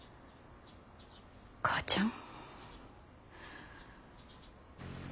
母ちゃん。